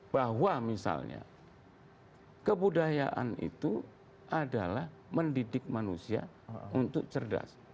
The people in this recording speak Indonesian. bahwa misalnya kebudayaan itu adalah mendidik manusia untuk cerdas